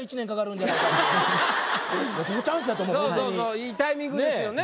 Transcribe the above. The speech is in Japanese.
いいタイミングですよね